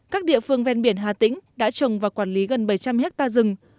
các địa phương ven biển hà tĩnh đã trồng và quản lý gần bảy trăm linh hectare rừng